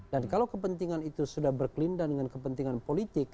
dan kalau kepentingan itu sudah berkelindang dengan kepentingan politik